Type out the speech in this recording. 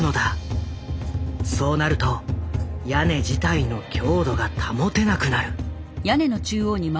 そうなると屋根自体の強度が保てなくなる。